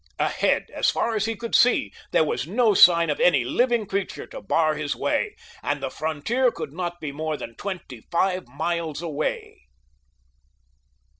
Ahead, as far as he could see, there was no sign of any living creature to bar his way, and the frontier could not be more than twenty five miles away.